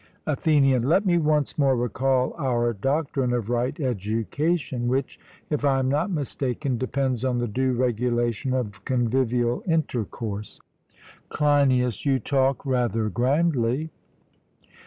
ATHENIAN: Let me once more recall our doctrine of right education; which, if I am not mistaken, depends on the due regulation of convivial intercourse. CLEINIAS: You talk rather grandly.